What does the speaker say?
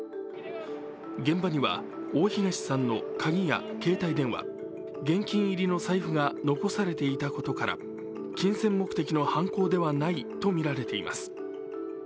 現場には、大東さんの鍵や携帯電話現金入りの財布が残されていたことから金銭目的の犯行ではないとみられています。